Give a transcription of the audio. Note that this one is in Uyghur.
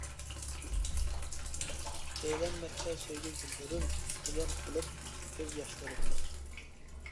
چەيلەنمەكتە سۆيگۈ گۈللىرىم، قىيان قىلىپ كۆز ياشلىرىمنى.